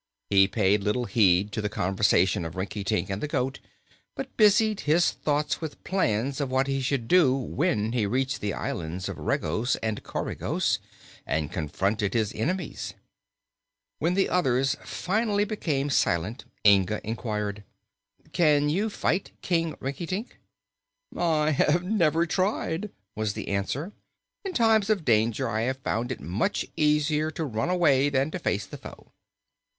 He paid little heed to the conversation of Rinkitink and the goat, but busied his thoughts with plans of what he should do when he reached the islands of Regos and Coregos and confronted his enemies. When the others finally became silent, Inga inquired. "Can you fight, King Rinkitink?" "I have never tried," was the answer. "In time of danger I have found it much easier to run away than to face the foe."